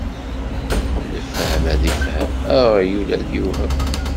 Lfahem ad ifhem, aɣyul ad iwhem.